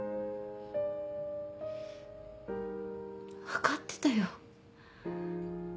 わかってたよ。